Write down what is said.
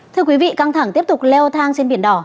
thưa quý vị căng thẳng tiếp tục leo thang trên biển đỏ